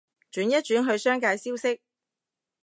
轉一轉去商界消息